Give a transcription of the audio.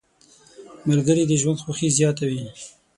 ملګري د ژوند خوښي زیاته وي.